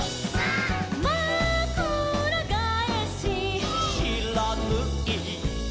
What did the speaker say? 「まくらがえし」「」「しらぬい」「」